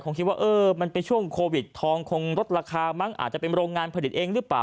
คิดว่าเออมันเป็นช่วงโควิดทองคงลดราคามั้งอาจจะเป็นโรงงานผลิตเองหรือเปล่า